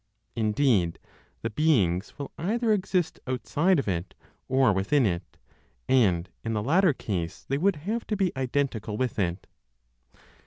Indeed, the beings will either exist outside of it, or within it; and in the latter case they would have to be identical with it.